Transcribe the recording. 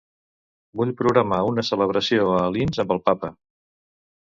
Vull programar una celebració a Alins amb el papa.